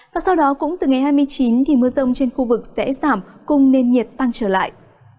và sau đó cũng từ ngày hai mươi chín thì mưa rông trên khu vực sẽ giảm cùng nền nhiệt tăng trở lại